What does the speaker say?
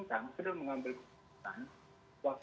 dianggap masih belum cukup